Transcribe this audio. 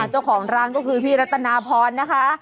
เจ้าของร้านก็คือพี่รัตนาพรนะคะ